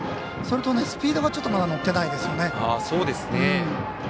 それとスピードがまだちょっと乗ってないですね。